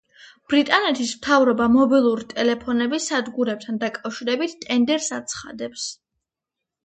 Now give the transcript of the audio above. ბრიტანეთის მთავრობა, მობილური ტელეფონების სადგურებთან დაკავშირებით ტენდერს აცხადებს.